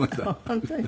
本当に。